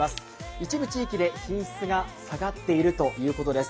一部地域で品質が下がっているということです